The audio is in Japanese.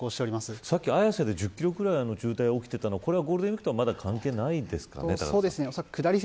さっき綾瀬で１０キロぐらい渋滞が起きていたのはゴールデンウイークとは関係ないですかね。